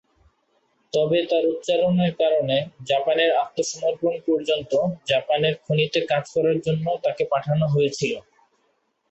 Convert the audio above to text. তবে, তার উচ্চতার কারণে, জাপানের আত্মসমর্পণ পর্যন্ত জাপানের খনিতে কাজ করার জন্য তাকে পাঠানো হয়েছিল।